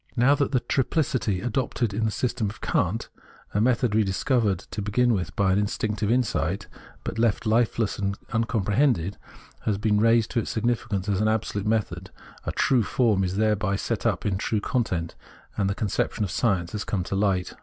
Now that the triplicity, adopted in the system of Kant — a method rediscovered, to begin with, by in stinctive insight, but left Kfeless and uncomprehended —has been raised to its significance as an absolute method, true form is thereby set up in its true content, and the conception of science has come to light.